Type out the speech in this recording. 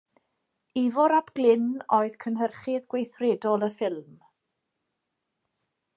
Ifor ap Glyn oedd cynhyrchydd gweithredol y ffilm.